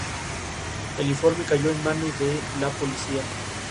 Para asegurar la lealtad de su primo, lo casó con su hermana mayor, Constantina.